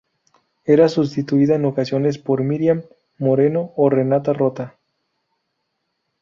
Era sustituida en ocasiones por Miriam Moreno o Renata Rota.